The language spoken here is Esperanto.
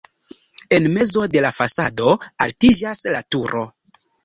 En mezo de la fasado altiĝas la turo.